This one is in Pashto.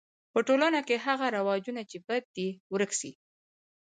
په ټولنه کی هغه رواجونه چي بد دي ورک سي.